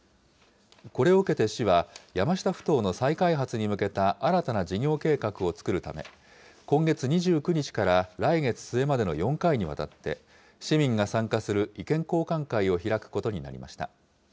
これを受けて市は、山下ふ頭の再開発に向けた新たな事業計画を作るため、今月２９日から来月末までの４回にわたって、市民が参加する意見交換会を開くことになりました。